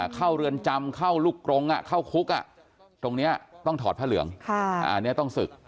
เรือนจำเข้าลูกกรงเข้าคุกตรงนี้ต้องถอดผ้าเหลืองอันนี้ต้องศึก